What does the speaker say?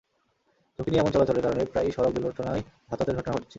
ঝুঁকি নিয়ে এমন চলাচলের কারণে প্রায়ই সড়ক দুর্ঘটনায় হতাহতের ঘটনা ঘটছে।